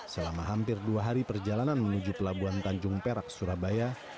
selama hampir dua hari perjalanan menuju pelabuhan tanjung perak surabaya